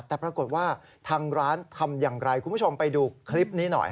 แต่ปรากฏว่าทางร้านทำอย่างไรคุณผู้ชมไปดูคลิปนี้หน่อย